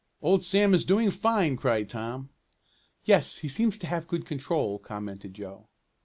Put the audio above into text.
"Old Sam is doing fine!" cried Tom. "Yes, he seems to have good control," commented Joe.